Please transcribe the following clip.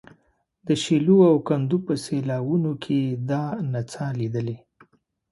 د شیلو او کندو په سیلاوونو کې یې دا نڅا لیدلې.